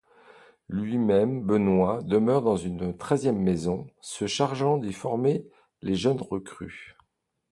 Lui-même, Benoît, demeure dans une treizième maison, se chargeant d'y former les jeunes recrues.